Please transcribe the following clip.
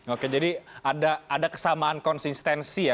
oke jadi ada kesamaan konsistensi ya